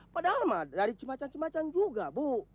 padahal mah dari cimacan cimacan juga bu